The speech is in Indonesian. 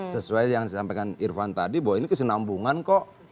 sesuai yang disampaikan irvan tadi bahwa ini kesenambungan kok